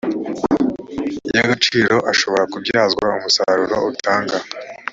y agaciro ashobora kubyazwa umusaruro utanga